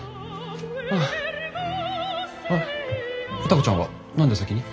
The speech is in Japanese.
歌子ちゃんは何で先に？